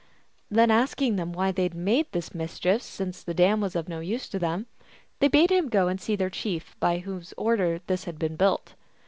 Then asking them why they had made this mischief, since the dam was of no use to them, they bade him go and see their chief, by whose order this had been built.